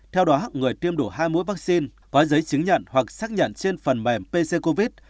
theo đó người tiêm đủ hai mũi vaccine có giấy chứng nhận hoặc xác nhận trên phần mềm pc covid